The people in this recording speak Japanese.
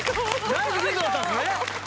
ナイスヒントだったんですね。